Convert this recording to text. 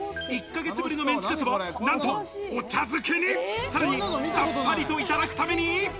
１ヶ月のメンチカツはなんとお茶漬けにさっぱりといただくために！